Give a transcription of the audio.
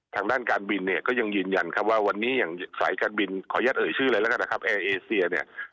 ทางด้านการบินก็ยังยืนยันว่าวันนี้สายการบินขอยัดเอ๋ยชื่อเลยแหละแอร์เอเซีย